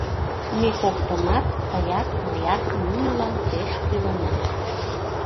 Ме коктынат — тыят, мыят — нунылан пеш кӱлына.